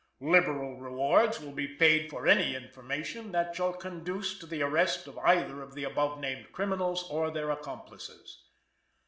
"Liberal rewards will be paid for any information that shall conduce to the arrest of either of the above named criminals or their accomplices.